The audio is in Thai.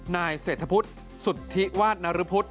นายเศรษฐพุทธสุทธิวาสนรพุทธ